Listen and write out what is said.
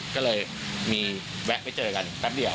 ก็เลยมีแวะไปเจอกันแป๊บเดียว